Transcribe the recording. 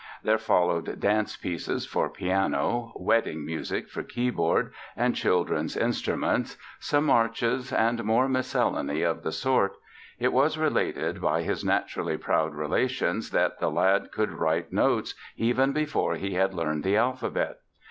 There followed dance pieces for piano, "wedding music" for keyboard and children's instruments, some marches and more miscellany of the sort. It was related by his naturally proud relations that the lad could write notes even before he had learned the alphabet.